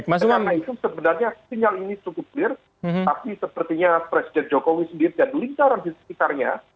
karena itu sebenarnya sinyal ini cukup clear tapi sepertinya presiden jokowi sendiri dan lingkaran di sekitarnya